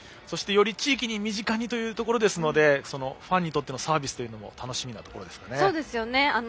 そして、より地域に身近にというところですのでファンにとってのサービスも楽しみなところですね。